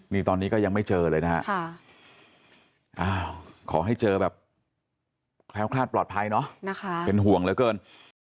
นี่ตอนนี้ก็ยังไม่เจอเลยนะขอให้เจอแคล้วปลอดภัยเนาะเป็นห่วงเหลือเกิน